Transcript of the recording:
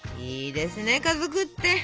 いいですね家族って！